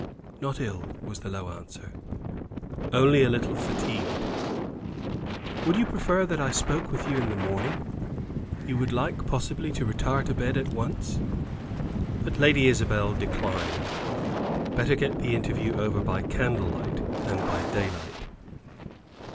"Not ill," was the low answer; "only a little fatigued." "Would you prefer that I spoke with you in the morning? You would like, possibly, to retire to bed at once." But Lady Isabel declined. Better get the interview over by candlelight than by daylight.